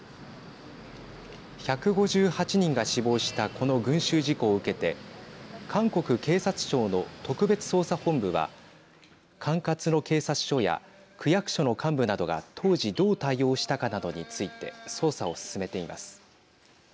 １５８人が死亡したこの群集事故を受けて韓国警察庁の特別捜査本部は管轄の警察署や区役所の幹部などが当時どう対応したかなどについて捜査を進めています。